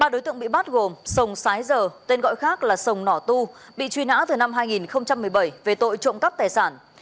ba đối tượng bị bắt gồm sông sái giờ tên gọi khác là sông nỏ tu bị truy nã từ năm hai nghìn một mươi bảy về tội trộm cắp tài sản